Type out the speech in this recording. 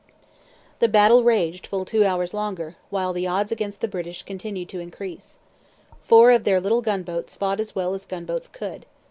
The battle raged two full hours longer; while the odds against the British continued to increase. Four of their little gunboats fought as well as gunboats could.